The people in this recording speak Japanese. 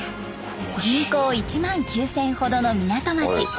人口１万９，０００ほどの港町。